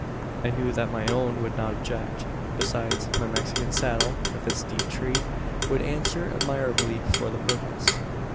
"I knew that my own would not object. Besides, my Mexican saddle, with its deep tree, would answer admirably for the purpose.